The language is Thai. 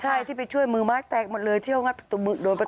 ใช่ที่ไปช่วยมือมากแตกหมดเลยที่ห้องงัดประตูบึกโดน